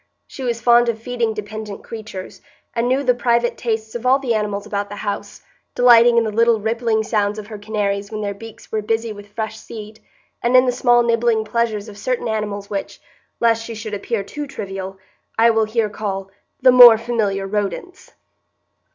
She was fond of feeding dependent creatures, and knew the private tastes of all the animals about the house, delighting in the little rippling sounds of her canaries when their beaks were busy with fresh seed, and in the small nibbling pleasures of certain animals which, lest she should appear too trivial, I will here call "the more familiar rodents."